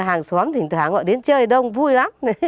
hàng xóm thỉnh thoảng gọi đến chơi đông vui lắm